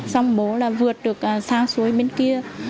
xong bố là vượt được sang suối bên kia